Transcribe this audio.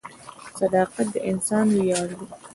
• صداقت د انسان ویاړ دی.